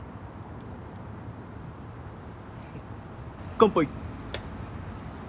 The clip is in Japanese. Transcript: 乾杯。